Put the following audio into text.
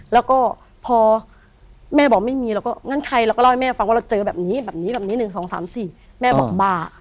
แล้วก็พอแม่บอกไม่มีเราก็งั้นใครเราก็เล่าให้แม่ฟังว่าเราเจอแบบนี้แบบนี้แบบนี้๑๒๓๔แม่บอกบ้า